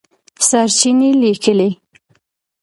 سرچېنې لیکلي